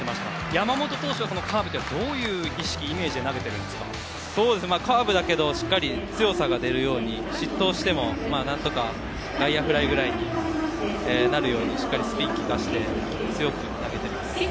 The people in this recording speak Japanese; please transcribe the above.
山本投手はこのカーブというのはどういう意識、イメージでカーブだけど強さが出るように、失投しても何とか外野フライぐらいになるように、しっかりとスピンを利かせて強く投げています。